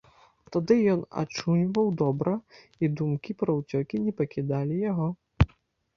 Тады ён ачуньваў добра, і думкі пра ўцёкі не пакідалі яго.